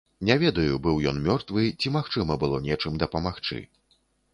Не ведаю, быў ён мёртвы ці магчыма было нечым дапамагчы.